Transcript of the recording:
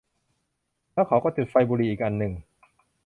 แล้วเขาก็จุดไฟ บุหรี่อีกอันหนึ่ง